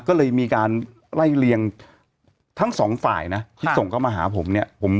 ก็เลยมีการไล่เลียงทั้งสองฝ่ายนะที่ส่งเข้ามาหาผมเนี่ย